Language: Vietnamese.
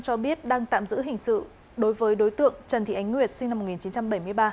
cho biết đang tạm giữ hình sự đối với đối tượng trần thị ánh nguyệt sinh năm một nghìn chín trăm bảy mươi ba